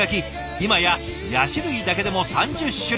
今やヤシ類だけでも３０種類